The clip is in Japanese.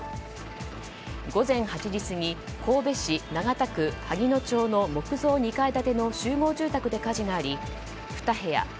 午前８時過ぎ神戸市長田区萩乃町の木造２階建ての集合住宅で火事があり２部屋